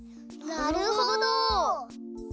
なるほど！